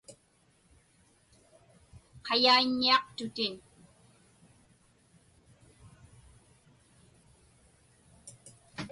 Qayaiññiaqtutin.